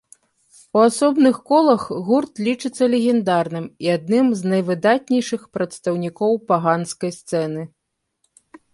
У асобных колах гурт лічыцца легендарным і адным з найвыдатнейшых прадстаўнікоў паганскай сцэны.